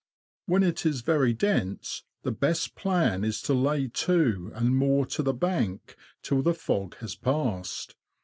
When it is very dense, the best plan is to lay to and moor to the bank till the fog has passed.